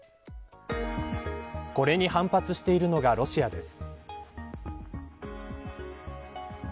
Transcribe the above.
これに反発しているのがロシアです。